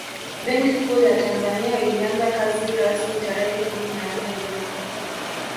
Benki Kuu ya Tanzania ilianza kazi rasmi tarehe kumi na nne Juni